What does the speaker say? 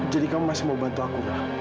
jadi kamu masih mau bantu aku gak